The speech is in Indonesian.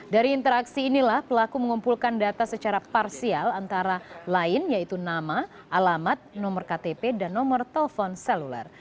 dari interaksi inilah pelaku mengumpulkan data secara parsial antara lain yaitu nama alamat nomor ktp dan nomor telepon seluler